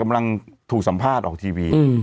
กำลังถูกสัมภาษณ์ออกทีวี